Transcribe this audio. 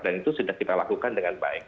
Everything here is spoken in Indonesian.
dan itu sudah kita lakukan dengan baik